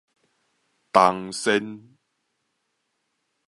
銅鉎